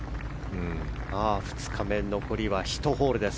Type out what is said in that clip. ２日目、残りは１ホールです。